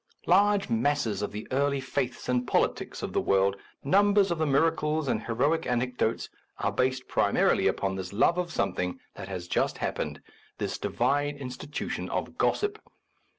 Large masses of the early faiths and politics of the world, numbers of the miracles and heroic anecdotes, are based primarily upon this love of something that has just happened, this divine institu tion of gossip.